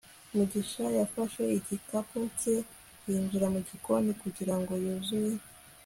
mugisha yafashe igikapu cye yinjira mu gikoni kugira ngo yuzure